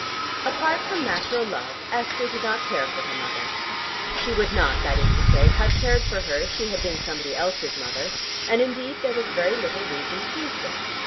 Apart from natural love, Esther did not care for her mother. She would not, that is to say, have cared for her if she had been somebody else's mother, and indeed there was very little reason to do so.